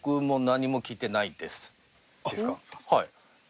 はい。